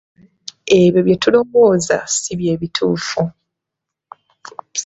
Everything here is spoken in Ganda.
Ebyo bye tulowooza ssi bye bituufu.